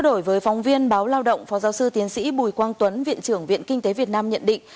đồng phó giáo sư tiến sĩ bùi quang tuấn viện trưởng viện kinh tế việt nam nhận định